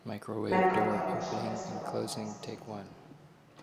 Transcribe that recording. Megkapta a Vaskereszt lovagkeresztjét.